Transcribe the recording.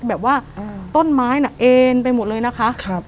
แบบว่าต้นไม้น่ะเอ็นไปหมดเลยนะคะ